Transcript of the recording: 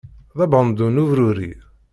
D abandu n ubruri.